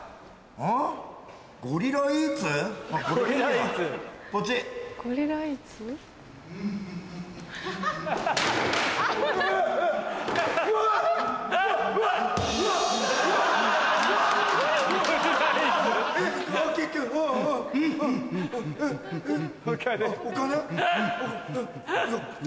あっお金？